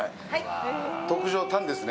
特上タンですね。